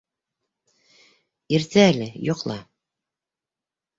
- Иртә әле, йоҡла.